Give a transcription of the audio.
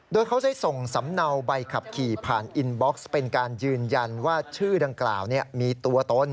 โดยเขาได้ส่งสำเนาใบขับขี่ผ่านอินบ็อกซ์เป็นการยืนยันว่าชื่อดังกล่าวมีตัวตน